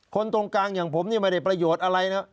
ตรงกลางอย่างผมนี่ไม่ได้ประโยชน์อะไรนะ